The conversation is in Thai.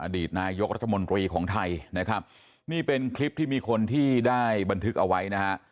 อดีตนายกรัฐมนตรีของไทยนะครับนี่เป็นคลิปที่มีคนที่ได้บันทึกเอาไว้นะฮะ